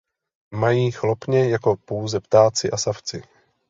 Mají chlopně jako pouze ptáci a savci.